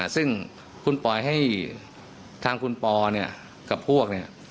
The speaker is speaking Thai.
ซึ่งคุณปล่อยให้ทางคุณปอเนี่ยกับพวกเนี่ย